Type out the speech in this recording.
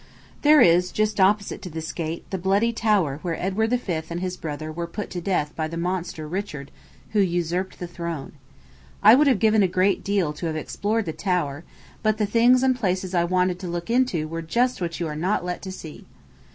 There is, just opposite to this gate, the bloody tower where Edward V. and his brother were put to death by the monster Richard, who usurped the throne. I would have given a great deal to have explored the Tower, but the things and places I wanted to look into were just what you are not let see.